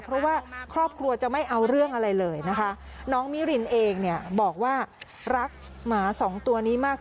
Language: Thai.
เพราะว่าครอบครัวจะไม่เอาเรื่องอะไรเลยนะคะน้องมิรินเองเนี่ยบอกว่ารักหมาสองตัวนี้มาก